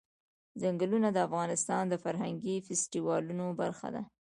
ځنګلونه د افغانستان د فرهنګي فستیوالونو برخه ده.